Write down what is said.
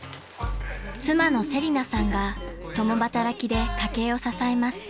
［妻の瀬里菜さんが共働きで家計を支えます］